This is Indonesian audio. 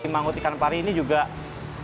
mangut ikan pari ini juga lebih kencang